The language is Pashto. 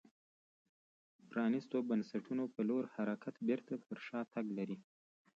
پرانیستو بنسټونو په لور حرکت بېرته پر شا تګ لري